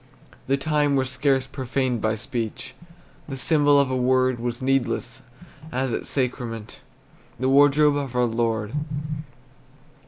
The time was scarce profaned by speech; The symbol of a word Was needless, as at sacrament The wardrobe of our Lord.